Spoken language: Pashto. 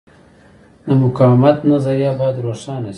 د مقاومت نظریه باید روښانه شي.